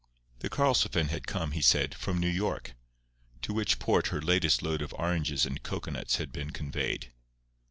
The Karlsefin had come, he said, from New York, to which port her latest load of oranges and cocoanuts had been conveyed.